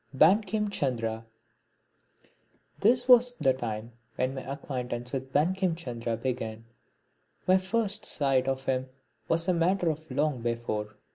(40) Bankim Chandra This was the time when my acquaintance with Bankim Babu began. My first sight of him was a matter of long before.